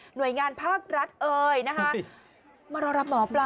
หน่วยงานภาครัฐเอ่ยนะคะมารอรับหมอปลา